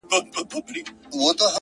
• چي محبت يې زړه كي ځاى پـيـدا كـړو،